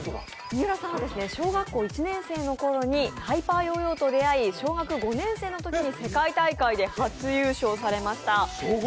三浦さんは小学校１年生のころにハイパーヨーヨーと出会い小学５年生のときに世界大会で初優勝されました。